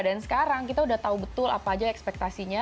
dan sekarang kita udah tahu betul apa aja ekspektasinya